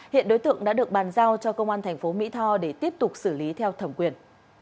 hiện đối tượng đã được bàn giao cho công an thành phố mỹ tho để tiếp tục xử lý theo thẩm quyền